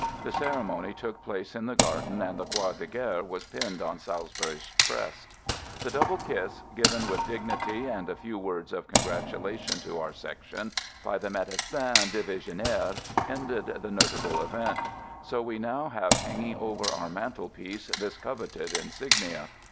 The ceremony took place in the garden and the " Croix de Guerre" was pinned on Salisbury's breast. The double kiss, given with dignity, and a few words of congratulation to our Sec tion by the medecin divisionnaire ended the notable event. So we now have hang ing over our mantelpiece this coveted insignia.